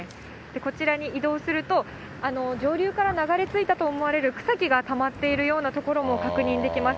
こちらに移動すると、上流から流れ着いたと思われる草木がたまっているような所も確認できます。